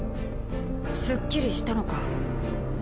すっきりしたのか？